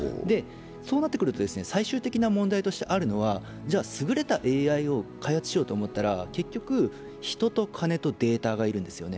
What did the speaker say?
そうなってくると最終的な問題としてあるのはすぐれたＡＩを開発しようとすると開発しようと思ったら人と金とデータがいるんですね。